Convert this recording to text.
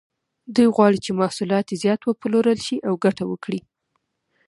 دوی غواړي چې محصولات یې زیات وپلورل شي او ګټه وکړي.